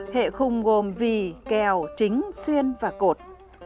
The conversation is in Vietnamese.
hệ khung gồm vì kèo trính xuyên và cột